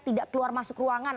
tidak keluar masuk ruangan